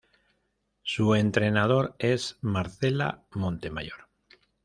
Su entrenador es Marcela Montemayor.